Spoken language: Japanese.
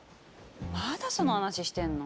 まだその話してんの？